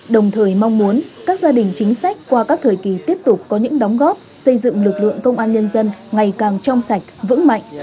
đồng thời mong muốn các gia đình chính sách qua các thời kỳ tiếp tục có những đóng góp xây dựng lực lượng công an nhân dân ngày càng trong sạch vững mạnh